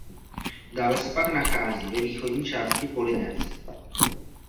Dále se pak nachází ve východní části Polynésie.